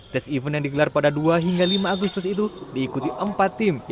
tes event yang digelar pada dua hingga lima agustus itu diikuti empat tim